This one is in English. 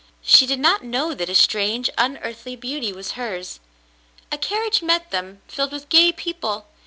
She did not know that a strange, unearthly beauty was hers. A carriage met them filled with gay people.